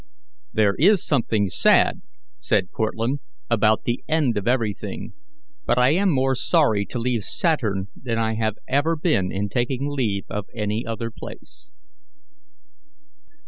"There is something sad," said Cortlandt, "about the end of everything, but I am more sorry to leave Saturn than I have ever been in taking leave of any other place."